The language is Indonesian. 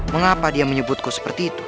mengapa dia menyebutku seperti itu